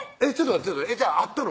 じゃあ会ったの？